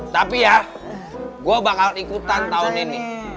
tapi ya gue bakal ikutan tahun ini